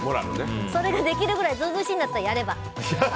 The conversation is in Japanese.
それができるくらい図々しいんだったらやれば。